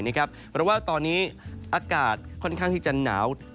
เพราะว่าตอนนี้อากาศค่อนข้างที่จะหนาว